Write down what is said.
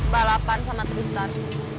balapan sama tristan